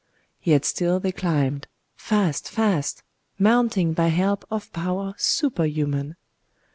Yet still they climbed,—fast, fast,—mounting by help of power superhuman.